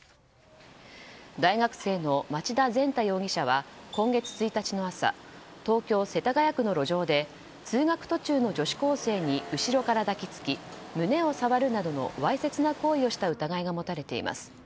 大学生の町田善太容疑者は今月１日の朝東京・世田谷区の路上で通学途中の女子高生に後ろから抱きつき胸を触るなどのわいせつな行為をした疑いが持たれています。